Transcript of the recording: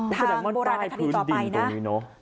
ทางโบราณนักคดีต่อไปนะบางอย่างมันใต้ผืนดินตรงนี้นะ